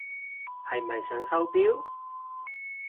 係咪想收錶？